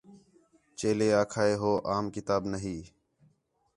چیلے آکھا ہِے ہو عام کتاب نا ہی